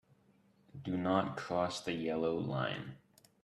Do not cross the yellow line.